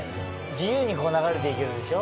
自由に流れていけるでしょ。